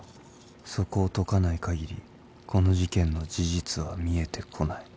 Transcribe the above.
そこを解かないかぎりこの事件の事実は見えてこない